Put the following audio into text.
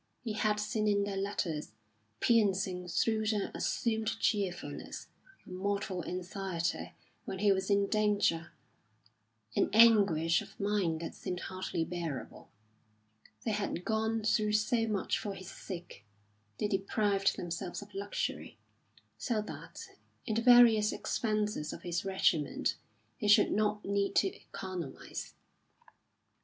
He had seen in their letters, piercing through the assumed cheerfulness, a mortal anxiety when he was in danger, an anguish of mind that seemed hardly bearable. They had gone through so much for his sake; they deprived themselves of luxury, so that, in the various expenses of his regiment, he should not need to economise.